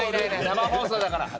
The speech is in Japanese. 生放送だから。